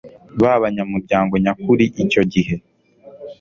byabanyamuryango nyakuri Icyo gihe